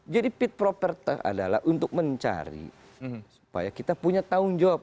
jadi fit proper test adalah untuk mencari supaya kita punya tanggung jawab